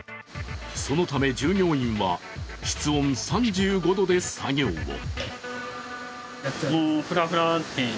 そのため従業員は室温３５度で作業を。